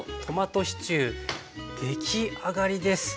出来上がりです。